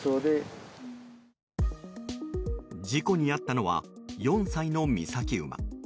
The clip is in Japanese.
事故に遭ったのは４歳の御崎馬。